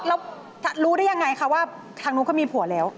แล้วรู้ได้ยังไงคะว่าทางนู้นก็มีผัวแล้ว